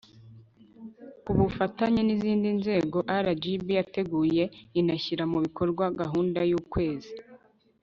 Ku bufatanye n izindi nzego RGB yateguye inashyira mu bikorwa gahunda y Ukwezi